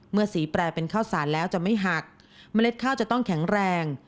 สีแปรเป็นข้าวสารแล้วจะไม่หักเมล็ดข้าวจะต้องแข็งแรง